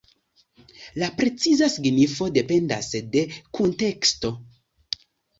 La preciza signifo dependas de la kunteksto.